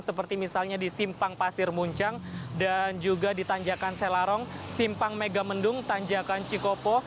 seperti misalnya di simpang pasir muncang dan juga di tanjakan selarong simpang megamendung tanjakan cikopo